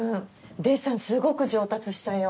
デッサンすごく上達したよ。